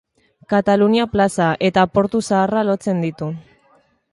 Katalunia plaza eta Portu Zaharra lotzen ditu.